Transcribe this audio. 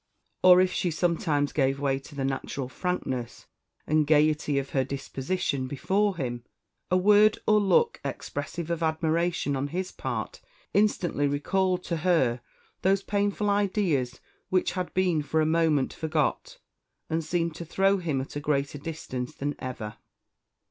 Or if she sometimes gave way to the natural frankness and gaiety of her disposition before him, a word or look expressive of admiration on his part instantly recalled to her those painful ideas which had been for a moment forgot, and seemed to throw him at a greater distance than ever.